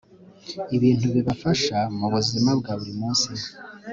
ibintu bibafasha mu buzima bwa buri munsi.